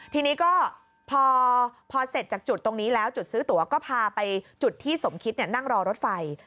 ทีนี้ก็พอเสร็จจากจุดตรงนี้แล้วจุดซื้อตัวก็พาไปจุดที่สมคิดนั่งรอรถไฟ